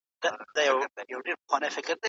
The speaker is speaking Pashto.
افغان لیکوالان د خپلو اساسي حقونو دفاع نه سي کولای.